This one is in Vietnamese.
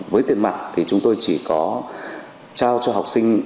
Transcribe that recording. với tiền mặt thì chúng tôi chỉ có trao cho học sinh